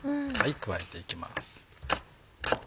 加えていきます。